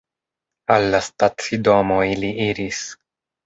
Al la stacidomo ili iris.